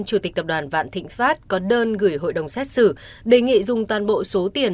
chủ tịch tập đoàn vạn thịnh pháp có đơn gửi hội đồng xét xử đề nghị dùng toàn bộ số tiền